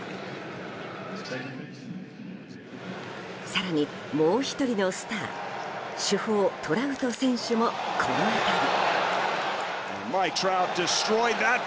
更にもう１人のスター主砲トラウト選手もこの当たり。